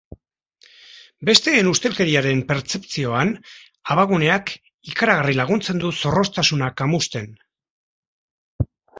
Bertzeen ustelkeriaren pertzepzioan abaguneak ikaragarri laguntzen du zorroztasuna kamusten.